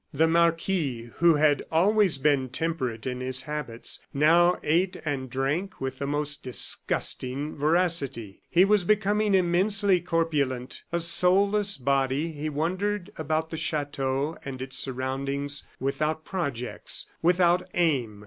The marquis, who had always been temperate in his habits, now ate and drank with the most disgusting voracity, and he was becoming immensely corpulent. A soulless body, he wandered about the chateau and its surroundings without projects, without aim.